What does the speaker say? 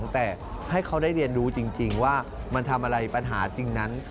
แต่ให้เขาได้เรียนรู้จริงว่ามันทำอะไรปัญหาจริงนั้น